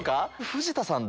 藤田さん